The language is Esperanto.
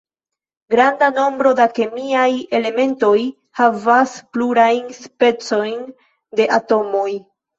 Granda nombro da kemiaj elementoj havas plurajn specojn de atomoj.